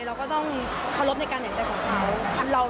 เราก็ต้องเคารพในการเห็นใจของเขา